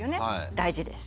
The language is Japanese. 大事です。